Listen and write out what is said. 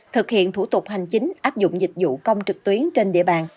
thực hiện thủ tục hành chính áp dụng dịch vụ công trực tuyến trên địa bàn